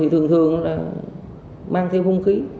thường thường mang theo hùng khí